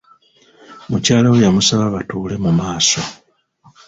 Mukyala we yamusaba batuule mu maaso.